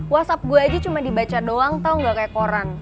whatsapp gue aja cuma dibaca doang tau gak kayak koran